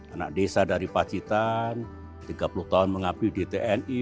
anak desa dari pacitan tiga puluh tahun mengabdi di tni